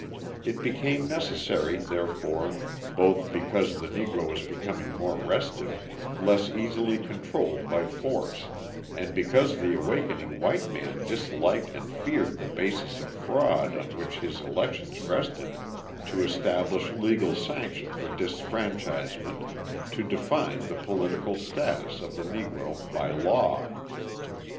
It became necessary, therefore, both because the Negro was becoming more restive, less easily controlled by force, and because the awakening white man disliked and feared the basis of fraud on which his elections rested, to establish legal sanction for disfranchisement, to define the political status of the Negro by law.